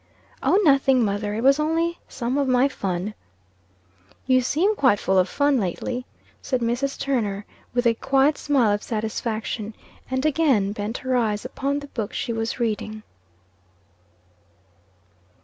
"Oh, nothing, mother, it was only some of my fun." "You seem quite full of fun, lately," said Mrs. Turner, with a quiet smile of satisfaction, and again bent her eyes upon the book she was reading.